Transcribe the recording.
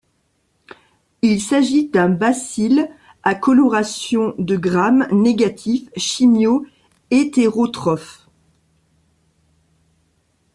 Il s'agit d'un bacille à coloration de Gram négatif, chimio-hétérotrophe.